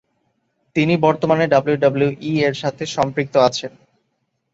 তিনি বর্তমানে ডাব্লিউডাব্লিউই এর সাথে সম্পৃক্ত আছেন।